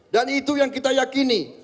dan itu yang kita yakini